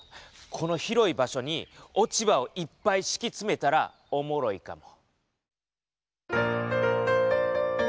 この広い場所に落ち葉をいっぱいしきつめたらおもろいかも。